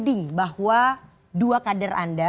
ada pak ganjar pranowo gubernur jawa tengah dan pak adian perjuangan